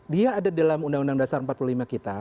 dia ada dalam undang undang dasar empat puluh lima kita